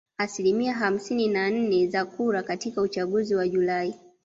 asilimia hamsini na nne za kura katika uchaguzi wa Julai